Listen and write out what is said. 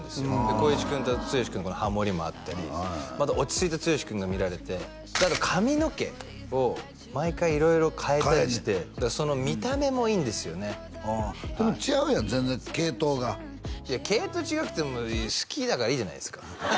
光一君と剛君のハモリもあったりまた落ち着いた剛君が見られてであと髪の毛を毎回色々変えたりしてその見た目もいいんですよねでも違うやん全然系統がいや系統違くても出ました